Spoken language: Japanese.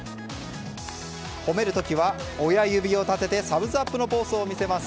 褒める時は親指を立ててサムズアップのポーズを見せます。